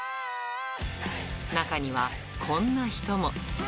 中には、こんな人も。